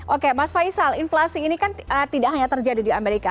oke mas faisal inflasi ini kan tidak hanya terjadi di amerika